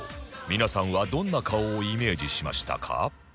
皆さんはどんな顔をイメージしましたか？